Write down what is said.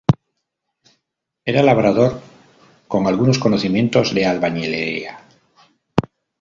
Era labrador con algunos conocimientos de albañilería.